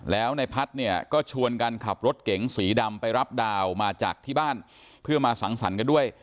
แล้วในพัฒน์เนี่ยก็ชวนกันขับรถเก๋งสีดำไปรับดาวมาจากที่บ้านเพื่อมาสังสรรค์กันด้วย